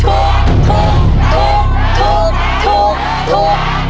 ถูกถูกถูกถูกถูกถูกถูก